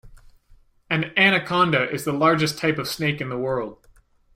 An anaconda is the largest type of snake in the world.